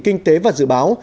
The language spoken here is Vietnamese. kinh tế và dự báo